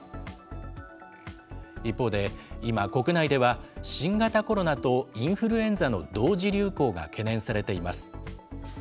一方で、今、国内では新型コロナとインフルエンザの同時流行が懸念されています。